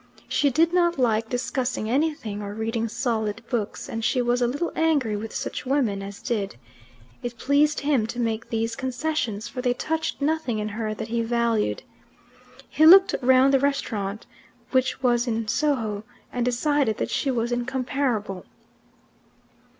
She did not like discussing anything or reading solid books, and she was a little angry with such women as did. It pleased him to make these concessions, for they touched nothing in her that he valued. He looked round the restaurant, which was in Soho and decided that she was incomparable.